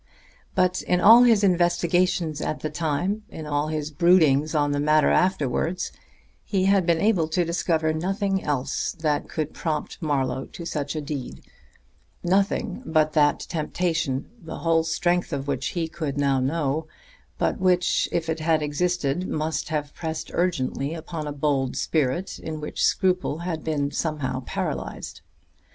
But in all his investigations at the time, in all his broodings on the matter afterwards, he had been able to discover nothing else that could prompt Marlowe to such a deed nothing but that temptation, the whole strength of which he could not know, but which if it had existed must have pressed urgently upon a bold spirit in which scruple had been somehow paralyzed.